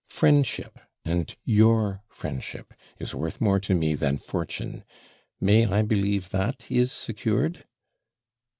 Friendship and your friendship is worth more to me than fortune. May I believe that is secured?'